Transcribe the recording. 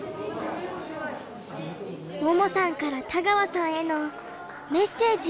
桃さんから田川さんへのメッセージが。